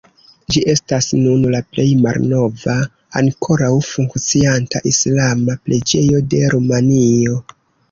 Ĝi estas nun la plej malnova, ankoraŭ funkcianta islama preĝejo de Rumanio.